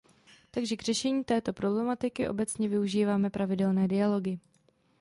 Takže k řešení této problematiky obecně využíváme pravidelné dialogy.